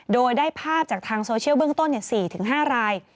โดยได้ภาพจากทางโซเชียลเบื้องต้น๔๕ราย